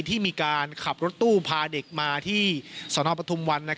ที่มีการขับรถตู้พาเด็กมาที่สนปทุมวัน